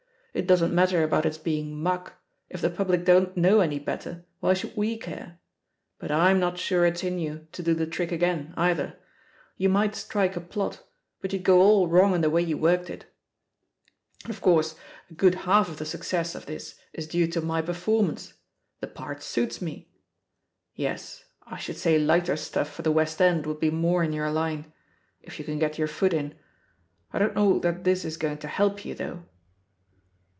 "It doesn't matter about it's be ing *muck' — ^if the public don't know any better, why should we care? But Fm not sure it's in you to do the triek again, either; you might strike 179 THE POSITION OP PEGGY HARPER a plot, But you'd go all wrong in the way you worked it. And, of course, a good half of tht success of this is due to my performance — ^tho part suits me. Yes, I should say lighter stuff for the West End would be more in your line — ^if you can get your foot in. I don't know that this is going to help you, though."